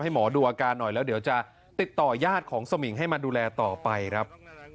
หมอดูอาการหน่อยแล้วเดี๋ยวจะติดต่อยาดของสมิงให้มาดูแลต่อไปครับ